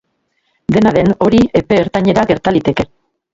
Dena den hori epe ertainera gerta liteke.